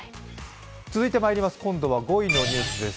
続いて５位のニュースです。